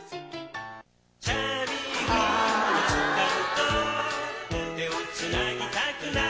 「チャーミーグリーンをつかうと」「手をつなぎたくなる」